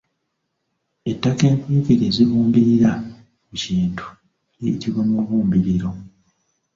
Ettaka enkuyege lye zibumbirira ku kintu liyitibwa Mubumbiriro.